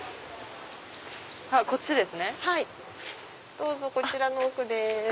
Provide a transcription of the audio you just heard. どうぞこちらの奥です。